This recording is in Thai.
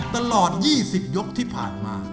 ตลอด๒๐ยกที่ผ่านมา